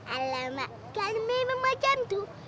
alamak kan memang macam itu